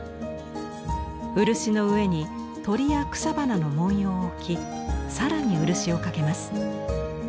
漆の上に鳥や草花の文様を置き更に漆をかけます。